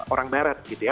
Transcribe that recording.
orang barat gitu ya